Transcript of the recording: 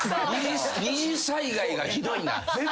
二次災害がひどいな。